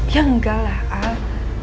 ya enggak lah al